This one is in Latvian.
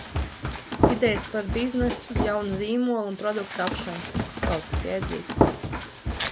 Idejas par biznesu, jaunu zīmolu un produktu tapšanu, kaut kas jēdzīgs.